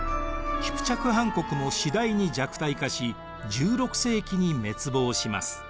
キプチャク・ハン国も次第に弱体化し１６世紀に滅亡します。